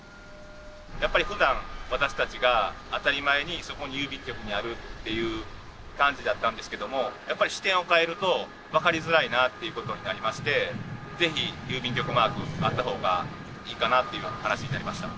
やっぱりふだん私たちが当たり前にそこに郵便局があるっていう感じだったんですけどもやっぱり視点を変えると分かりづらいなっていうことになりましてぜひ郵便局マークあった方がいいかなっていう話になりました。